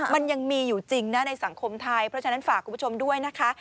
มันยังมีอยู่จริงนะในสังคมไทยเพราะฉะนั้นฝากคุณผู้ชมด้วยนะคะ